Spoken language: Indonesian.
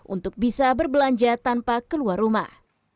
untuk bisa berbelanja tanpa keluar rumah